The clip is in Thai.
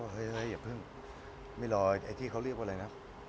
เฮ้ยอย่าเพิ่งไม่รอไอ้ที่เขาเรียกว่าอะไรนะ